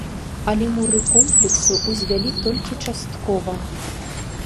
Але муры комплексу ўзвялі толькі часткова.